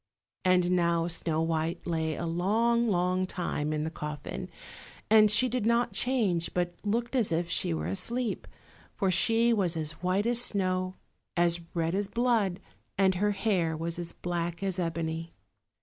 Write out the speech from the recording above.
And now Snow white lay a long, long time in the coffin, and she did not change, but looked as if she were asleep; for she was as white as snow, as red as blood, and her hair was as black as ebony.